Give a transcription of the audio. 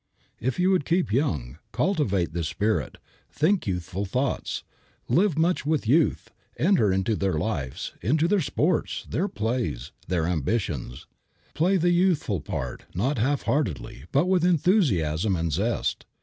If you would keep young, cultivate this spirit; think youthful thoughts; live much with youth; enter into their lives, into their sports, their plays, their ambitions. Play the youthful part, not half heartedly, but with enthusiasm and zest.